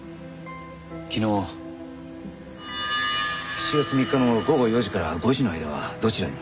昨日７月３日の午後４時から５時の間はどちらに？